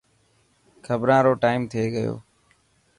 خبران رو ٽائيم ٿي گيو.